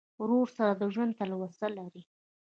ورور سره د ژوند تلوسه لرې.